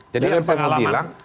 jadi yang saya mau bilang